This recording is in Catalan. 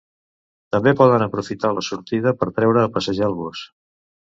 També poden aprofitar la sortida per treure a passejar el gos.